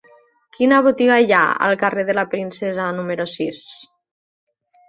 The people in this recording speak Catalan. Quina botiga hi ha al carrer de la Princesa número sis?